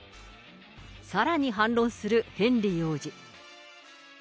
さらに反論するヘンリー王子。